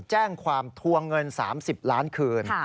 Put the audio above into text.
แจ้งความทวงเงิน๓๐ล้านคืน